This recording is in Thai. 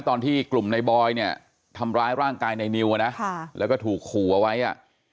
ตอนที่กลุ่มในบอยเนี่ยทำร้ายร่างกายในนิวอ่ะนะแล้วก็ถูกขู่เอาไว้อ่ะ